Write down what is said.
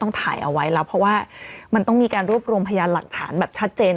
ถ่ายเอาไว้แล้วเพราะว่ามันต้องมีการรวบรวมพยานหลักฐานแบบชัดเจน